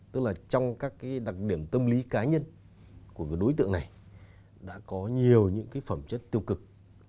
tức là trong các cái đặc điểm tâm lý cá nhân của đối tượng này đã có nhiều những cái phẩm chất tiêu cực